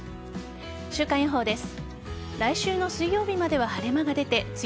週間予報です。